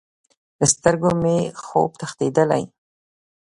له سترګو مې خوب تښتیدلی